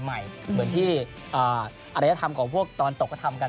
เหมือนที่อรยธรรมของพวกตอนตกก็ทำกัน